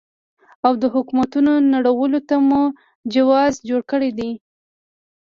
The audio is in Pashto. او د حکومتونو نړولو ته مو جواز جوړ کړی دی.